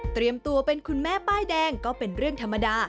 ตัวเป็นคุณแม่ป้ายแดงก็เป็นเรื่องธรรมดา